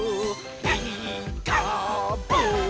「ピーカーブ！」